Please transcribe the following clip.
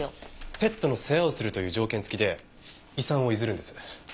ペットの世話をするという条件付きで遺産を譲るんです。